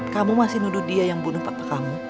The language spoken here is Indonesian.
kamu masih nuduh dia yang bunuh papa kamu